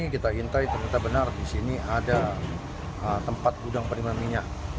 kita intai kita benar disini ada tempat gudang penimpan minyak